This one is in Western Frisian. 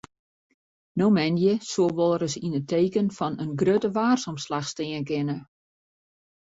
No moandei soe wolris yn it teken fan in grutte waarsomslach stean kinne.